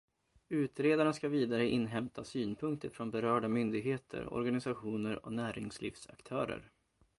Utredaren ska vidare inhämta synpunkter från berörda myndigheter, organisationer och näringslivsaktörer.